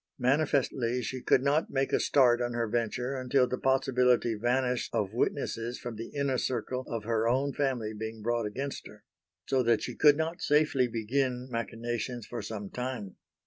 Manifestly she could not make a start on her venture until the possibility vanished of witnesses from the inner circle of her own family being brought against her; so that she could not safely begin machinations for some time.